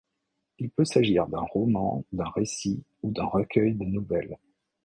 Il peut s’agir d’un roman, d’un récit ou d’un recueil de nouvelles.